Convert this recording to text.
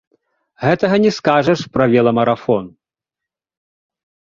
Гэтага не скажаш пра веламарафон.